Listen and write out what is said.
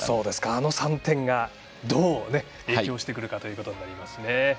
あの３点がどう影響してくるかということになりますね。